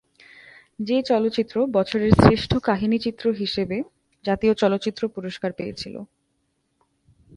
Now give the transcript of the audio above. যে চলচ্চিত্র বছরের শ্রেষ্ঠ কাহিনি চিত্র হিসেবে জাতীয় চলচ্চিত্র পুরস্কার পেয়েছিল।